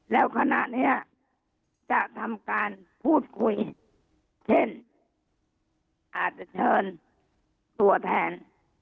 แล้วคณะนี้จะทำการพูดคุยเช่นอาจจะเชิญตัวแทน